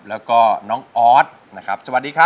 แล้วก็น้องออสนะครับสวัสดีครับ